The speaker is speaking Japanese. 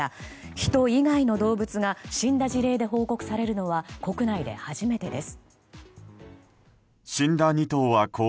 ヒト以外の動物が死んだ事例で報告されるのは国内で初めてです。